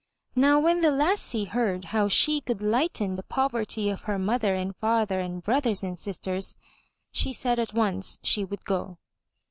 Now when the lassie heard how she could lighten the poverty of her mother and father and brothers and sisters, she said at once she would go.